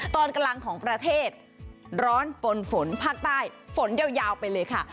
ตอนกลางของประเทศร้อนปนฝนภาคใต้ฝนยาวไปเลยค่ะ